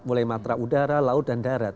mulai matra udara laut dan darat